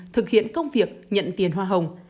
thực hiện công việc nhận tiền hoa hồng